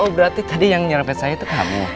oh berarti tadi yang nyerepet saya itu kamu